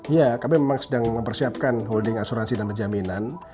ya kami memang sedang mempersiapkan holding asuransi dan penjaminan